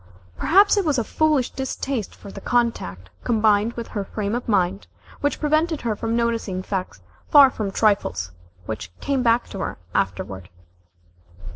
Perhaps it was a foolish distaste for the contact, combined with her frame of mind, which prevented her from noticing facts far from trifles, which came back to her afterward.